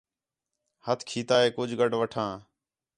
ہَتھ کھیتا ہِے کُج گڈھ وٹھاں